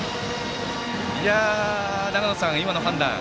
長野さん、今の判断